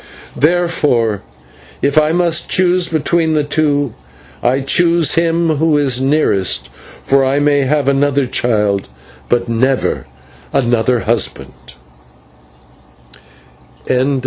Therefore, if I must choose between the two, I choose him who is nearest; for I may have another child, but never another husband."